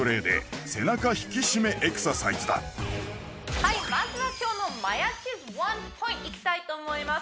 はいまずは今日のマヤっち’ｓワンポイントいきたいと思います